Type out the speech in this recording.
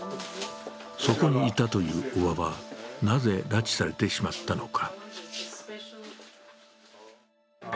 そこにいたというおばは、なぜ拉致されてしまったのか。